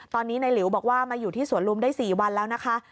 ตอนนี้ในหลิวบอกว่ามาอยู่ที่สวนลุมได้๔วันแล้วนะคะ